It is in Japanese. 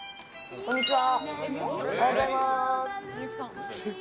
こんにちは。